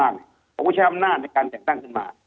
ที่บุคคลแชร์ภรรณาก็จะแต่งตั้งขึ้นมา